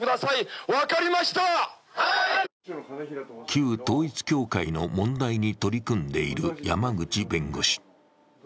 旧統一教会の問題に取り組んでいる山口弁護士。